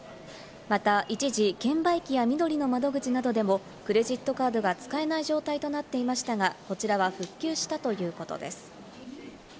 また、一時、券売機やみどりの窓口などでもクレジットカードが使えない状態となっていましたが、こちらは復旧したということです。